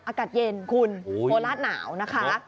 อากาศเย็นคุณโคราชหนาวนะคะ